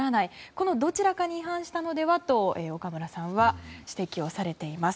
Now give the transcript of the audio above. このどちらかに違反したのではと岡村さんは指摘されています。